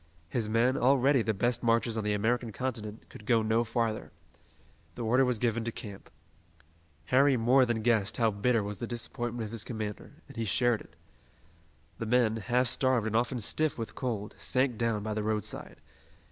His men, already the best marchers on the American continent, could go no farther. The order was given to camp. Harry more than guessed how bitter was the disappointment of his commander, and he shared it. The men, half starved and often stiff with cold, sank down by the roadside.